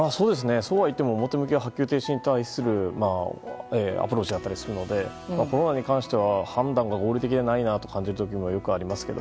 そうは言っても表向きは発給停止に対するアプローチだったりするのでコロナに関しては判断が合理的でないなと感じることもありますけど。